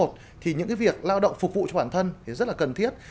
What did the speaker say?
thì những việc lao động phục vụ cho bản thân thì rất là cần thiết